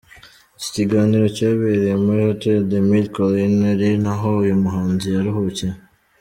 Iki kiganiro cyabereye muri Hotel The Mille Collines, ari naho uyu muhanzi yaruhukiye.